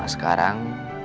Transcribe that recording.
ya maka sekarang